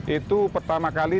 itu pertama kali